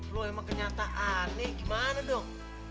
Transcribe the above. lu emang kenyataan nih gimana dong